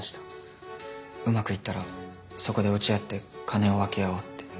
うまくいったらそこで落ち合って金を分け合おうって。